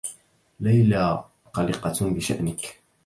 ليلى قلقة بشأنك.